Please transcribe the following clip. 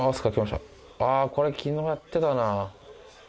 あぁこれ昨日やってたな。